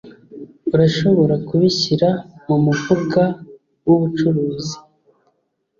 Urashobora kubishyira mumufuka wubucuruzi?